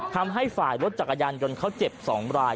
ทำให้ฝ่ายรถจักรยานยนต์เขาเจ็บ๒ราย